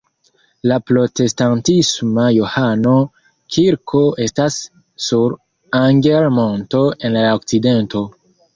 La protestantisma Johano-kirko estas sur Anger-monto en la okcidento.